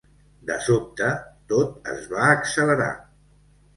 De sobte, tot es va accelerar.